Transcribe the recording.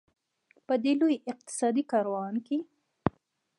په دې لوی اقتصادي کاروان کې.